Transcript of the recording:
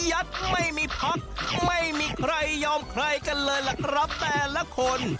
ยัดไม่มีพักไม่มีใครยอมใครกันเลยล่ะครับแต่ละคน